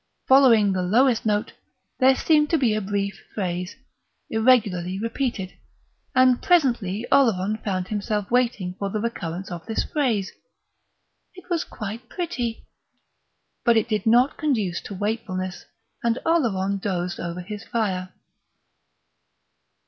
Following the lowest note there seemed to be a brief phrase, irregularly repeated; and presently Oleron found himself waiting for the recurrence of this phrase. It was quite pretty.... But it did not conduce to wakefulness, and Oleron dozed over his fire.